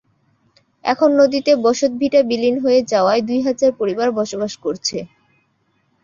এখন নদীতে বসতভিটা বিলীন হয়ে যাওয়ায় দুই হাজার পরিবার বসবাস করছে।